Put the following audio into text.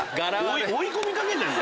追い込みかけてんの？